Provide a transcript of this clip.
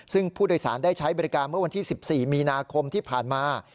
ซึ่งผู้โดยสารได้ใช้บริการเมื่อวันที่๑๔มีนาคมที่ผ่านมา